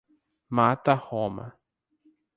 Mata Roma